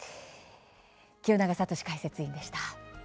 清永聡解説委員でした。